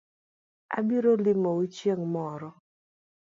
Abiro limo u chieng’ moro